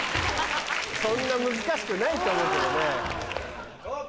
そんな難しくないと思うけどね。